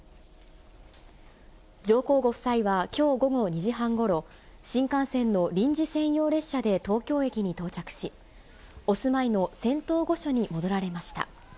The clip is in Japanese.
上皇ご夫妻はきょう午後２時半ごろ、新幹線の臨時専用列車で東京駅に到着し、お住いの仙洞御所に戻られました。